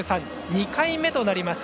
２回目となります。